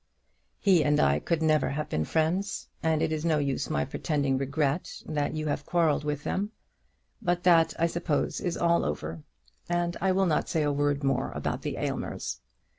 He and I never could have been friends, and it is no use my pretending regret that you have quarrelled with them. But that, I suppose, is all over, and I will not say a word more about the Aylmers.